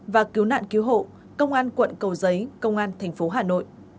và cứu nạn cứu hộ công an quận cầu giấy công an tp hà nội